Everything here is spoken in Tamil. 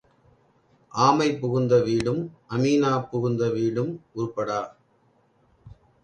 ஆமை புகுந்த வீடும் அமீனா புகுந்த விடும் உருப்படா.